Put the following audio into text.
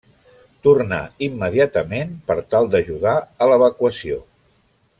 Tornà immediatament per tal d'ajudar a l'evacuació.